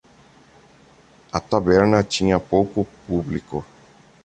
A taberna tinha pouco público.